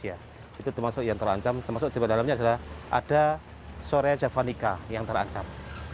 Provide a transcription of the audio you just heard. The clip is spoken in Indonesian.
itu termasuk yang terancam termasuk di dalamnya adalah ada sore javanica yang terancam